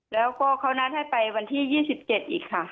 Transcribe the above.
แล้วก็เขานัดให้ไปวันที่ยี่สิบเจ็ดอีกค่ะ